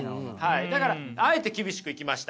だからあえて厳しくいきました。